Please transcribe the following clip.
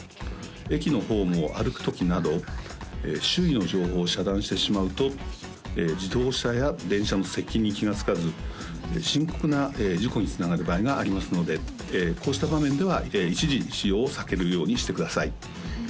駅のホームを歩くときなど周囲の情報を遮断してしまうと自動車や電車の接近に気がつかず深刻な事故につながる場合がありますのでこうした場面では一時使用を避けるようにしてください